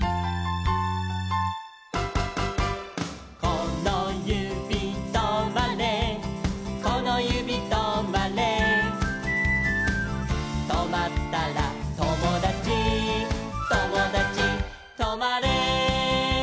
「このゆびとまれこのゆびとまれ」「とまったらともだちともだちとまれ」